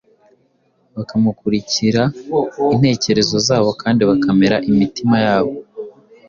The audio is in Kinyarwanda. bakamurikira intekerezo zabo kandi bakemeza imitima yabo.